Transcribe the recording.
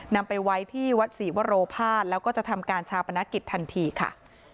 นำไปไว้ที่วัดศรีวโรภาสแล้วก็จะทำการชาปนกิจทันทีค่ะ